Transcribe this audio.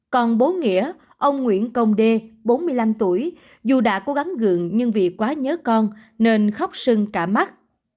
còn bố nghĩa ông nguyễn công đê bốn mươi năm tuổi dù đã cố gắng gường nhưng vì quá nhớ con nên khóc sưng cả mắt